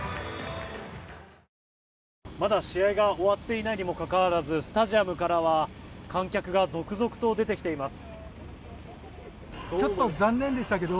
まだ試合が終わっていないにもかかわらずスタジアムからは観客が続々と出てきています。